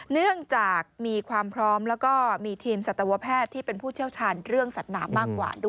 เนื่องจากมีความพร้อมแล้วก็มีทีมสัตวแพทย์ที่เป็นผู้เชี่ยวชาญเรื่องสัตว์หนามากกว่าด้วย